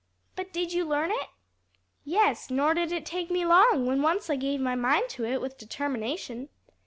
"But did you learn it?" "Yes; nor did it take me long when once I gave my mind to it with determination.